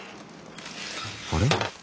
あれ？